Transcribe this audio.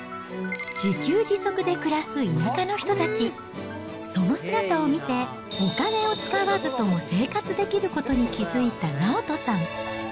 自給自足で暮らす田舎の人たち、その姿を見て、お金を使わずとも生活できることに気付いた直人さん。